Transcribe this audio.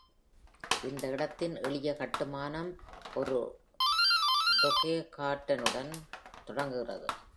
இந்த இடத்தின் எளிய கட்டுமானம் ஒரு டோடெகாஹெட்ரானுடன் தொடங்குகிறது.